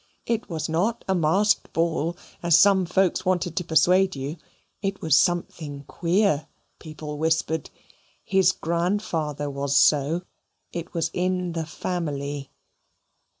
It was not a masked ball, as some folks wanted to persuade you. It was something queer, people whispered. His grandfather was so. It was in the family.